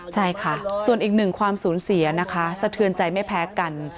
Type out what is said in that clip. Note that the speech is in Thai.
ใช่ค่ะส่วนอีกหนึ่งความสูญเสียนะคะสะเทือนใจไม่แพ้กัน